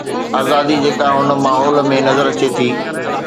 آزادي جيڪا هن ماحول ۾ نظر اچي ٿي.